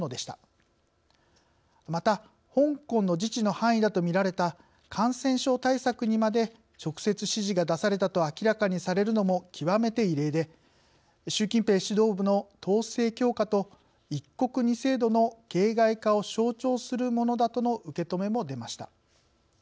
また香港の自治の範囲だと見られた感染症対策にまで直接指示が出されたと明らかにされるのも極めて異例で習近平指導部の統制強化と「一国二制度」の形骸化を象徴するものだとの受け止めも出ました。